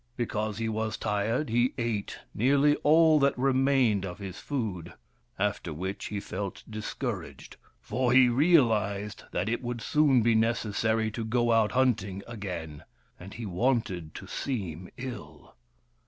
Because he was tired he ate nearly all that remained of his food, after which he felt discouraged, for he 244 WURIP, THE FIRE BRINGER realized that it would soon be necessary to go out hunting again, and he wanted to seem ill.